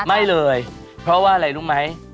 ไม่เลยเพราะว่าอะไรรู้ไหม